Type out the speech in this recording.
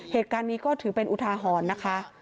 เหตุการณ์นี้ก็ถือเป็นอุทาหรณ์นะคะ